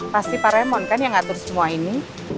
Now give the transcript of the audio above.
pasti pak remon kan yang ngatur semua ini